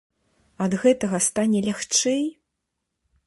Ад гэтага стане лягчэй?